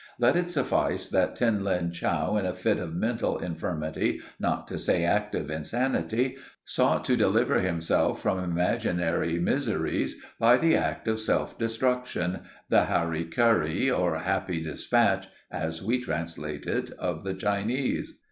Let it suffice that Tin Lin Chow in a fit of mental infirmity, not to say active insanity, sought to deliver himself from imaginary miseries by the act of self destruction—the 'hari kari,' or 'happy dispatch,' as we translate it, of the Chinese.